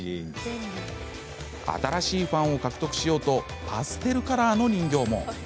新しいファンを獲得しようとパステルカラーの人形も。